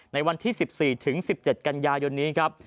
ในวันที่๑๔ถึง๑๗กันยายนนี้ครับ